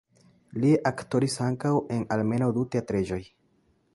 Li aktoris ankaŭ en almenaŭ du teatrejoj.